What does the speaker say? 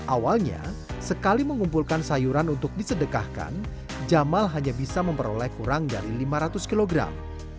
awalnya sekali mengumpulkan sayuran untuk disedekahkan jamal hanya bisa memperoleh kurang dari lima ratus kilogram